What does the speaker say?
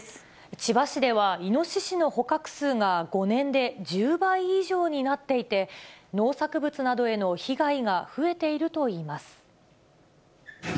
千葉市ではイノシシの捕獲数が５年で１０倍以上になっていて、農作物などへの被害が増えているといいます。